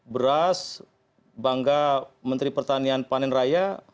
beras bangga menteri pertanian panen raya